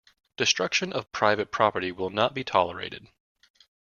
Destruction of private property will not be tolerated.